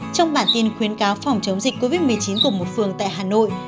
trong bản tin khuyến cáo phòng chống dịch covid một mươi chín của một phường tại hà nội